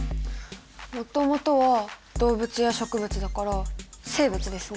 もともとは動物や植物だから生物ですね。